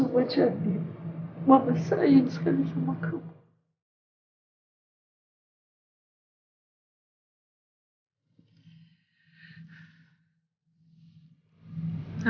jadi mama jangan merasa sendirian ya